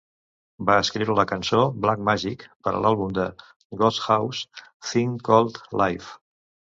Va escriure la cançó "Black Magic" per a l'àlbum de Ghosthouse "Thing Called Life".